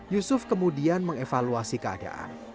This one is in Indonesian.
yusuf kemudian mengevaluasi keadaan